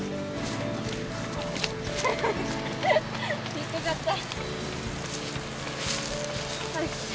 引っかかった。